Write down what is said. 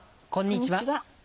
こんにちは。